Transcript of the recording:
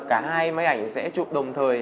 cả hai máy ảnh sẽ chụp đồng thời